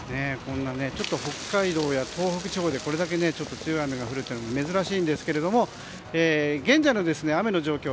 北海道や東北地方でこれだけ強い雨が降るのも珍しいんですが現在の雨の状況